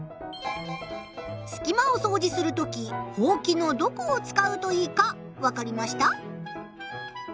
すき間をそうじするときほうきのどこを使うといいかわかりました？